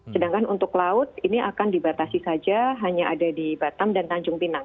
sedangkan untuk laut ini akan dibatasi saja hanya ada di batam dan tanjung pinang